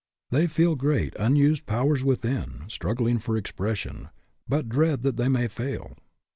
They feel great unused powers within struggling for expression, but dread that they may fail.